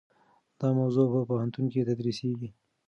دا موضوع په پوهنتون کې تدریسیږي.